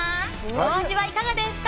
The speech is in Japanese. お味はいかがですか？